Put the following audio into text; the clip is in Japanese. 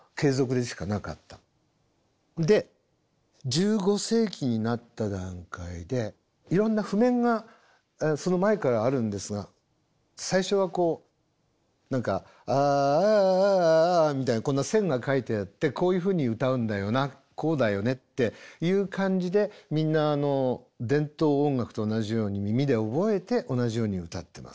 で１５世紀になった段階でいろんな譜面がその前からあるんですが最初はこう何か「ああああ」みたいにこんな線が書いてあってこういうふうに歌うんだよなこうだよねっていう感じでみんな伝統音楽と同じように耳で覚えて同じように歌ってます。